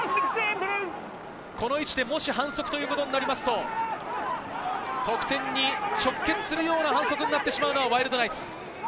この位置でもし反則となると、得点に直結するような反則になってしまうのはワイルドナイツ。